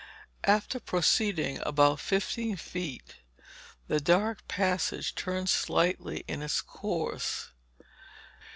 After proceeding about fifteen feet, the dark passage turned slightly in its course.